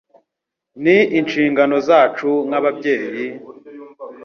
Ni inshingano zacu nk'ababyeyi,